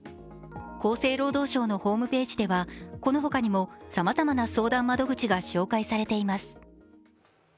厚生労働省のホームページでは、この他にもさまざまな相談窓口が紹介されています。